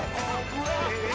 えっ！